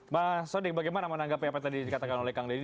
mas sodik bagaimana menanggapi apa yang tadi dikatakan oleh kang deddy